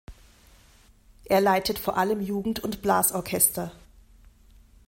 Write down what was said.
Er leitet vor allem Jugend- und Blasorchester.